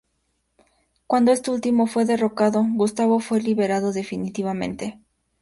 Cuando este último fue derrocado, Gustavo fue liberado definitivamente.